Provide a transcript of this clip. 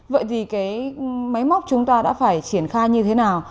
vậy thì cái máy móc chúng ta đã phải triển khai như thế nào